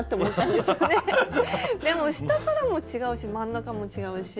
でも下からも違うし真ん中も違うし。